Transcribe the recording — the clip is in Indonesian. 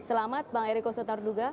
selamat bang eriko sotarduga